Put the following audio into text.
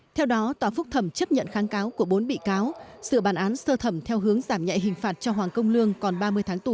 theo đó tòa phúc thẩm chấp nhận kháng cáo của bốn bị cáo sự bàn án sơ thẩm theo hướng giảm nhạy hình phạt cho hoàng công lương còn ba mươi tháng tù